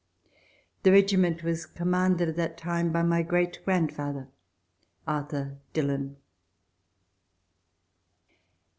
The regiment was commanded at that time by my great grandfather, Arthur Dillon.